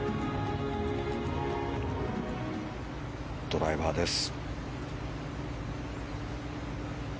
ドライバーです。